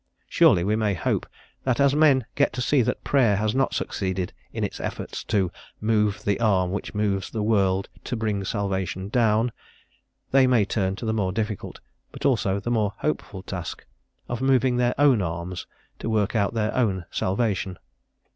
Surely we may hope that as men get to see that prayer has not succeeded in its efforts to "move the arm which moves the world, to bring salvation down," they may turn to the more difficult, but also the more hopeful task, of moving their own arms to work out their own salvation.